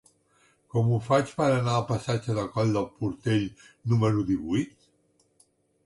Com ho faig per anar al passatge del Coll del Portell número divuit?